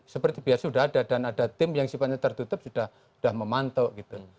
seperti biasa sudah ada dan ada tim yang sifatnya tertutup sudah memantau gitu